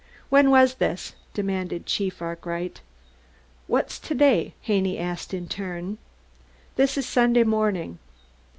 "When was this?" demanded Chief Arkwright. "What's to day?" asked Haney in turn. "This is Sunday morning."